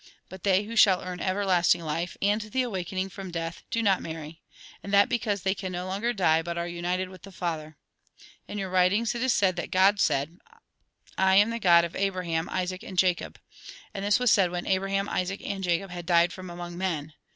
But they who shall earn everlasting life, and the awakening from death, do not marry. And that because they can no longer die, but are united with the Father. In your writings, it is said that God said :' I am the God of Abraham, Isaac, and Jacob.' And this was said when Abraham, Isaac, and Jacob had died from among men.